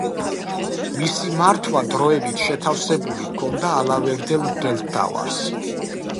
მისი მართვა დროებით შეთავსებული ჰქონდა ალავერდელ მღვდელმთავარს.